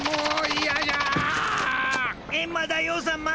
エンマ大王さま！